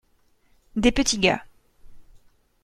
Des petits gars.